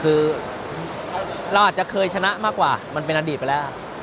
คือเราอาจจะเคยชนะมากกว่ามันเป็นอดีตไปแล้ว